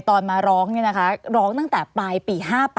ตอนมาร้องร้องตั้งแต่ปลายปี๕๘